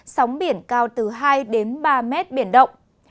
sóng biển cao từ hai đến ba mét biển động